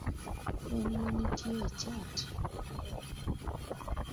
kwan manitie e chat?